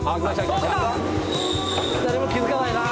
誰も気付かないな。